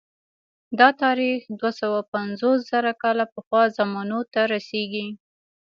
دا تاریخ دوه سوه پنځوس زره کاله پخوا زمانو ته رسېږي